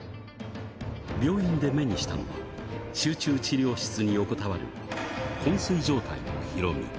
病院で目にしたのは、集中治療室に横たわるこん睡状態のヒロミ。